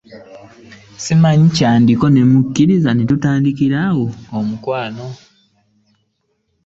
Simanyi kyandiko ne mmukkiriza era ne tutandikira awo omukwano.